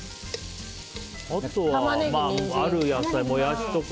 あとはある野菜、モヤシとか。